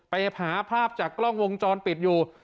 ไปหาภาพจากกล้องวงจรปิดอยู่